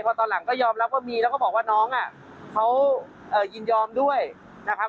พอตอนหลังก็ยอมรับว่ามีแล้วก็บอกว่าน้องเขายินยอมด้วยนะครับ